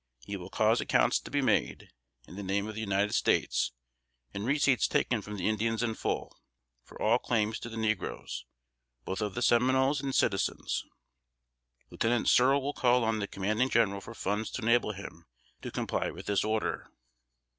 He will cause accounts to be made, in the name of the United States, and receipts taken from the Indians in full, for all claims to the negroes, both of the Seminoles and citizens. Lieutenant Searle will call on the Commanding General for funds to enable him to comply with this order.